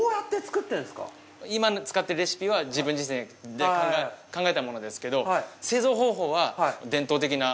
今使ってるレシピは自分自身で考えたものですけど製造方法は。